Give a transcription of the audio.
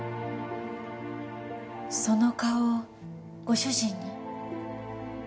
その顔ご主人に？